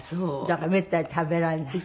だからめったに食べられない。